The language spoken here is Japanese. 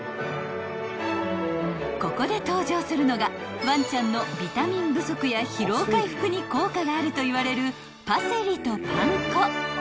［ここで登場するのがワンちゃんのビタミン不足や疲労回復に効果があるといわれるパセリとパン粉］